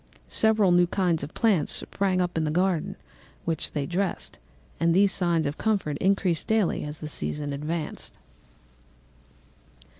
Several new kinds of plants sprang up in the garden, which they dressed; and these signs of comfort increased daily as the season advanced.